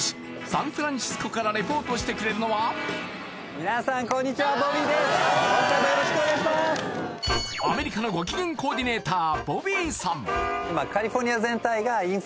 サンフランシスコからリポートしてくれるのはアメリカのご機嫌コーディネーター